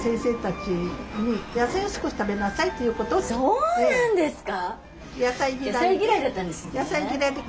そうなんですか？